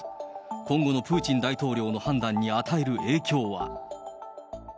今後のプーチン大統領の判断に与える影響は。